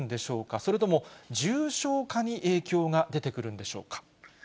それとも重症化に影響が出てくるんでしょうか。